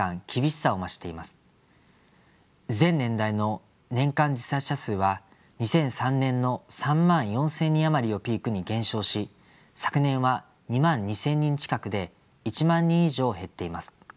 全年代の年間自殺者数は２００３年の３万４，０００人余りをピークに減少し昨年は２万２，０００人近くで１万人以上減っています。